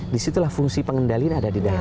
disitulah fungsi pengendalian ada di dalam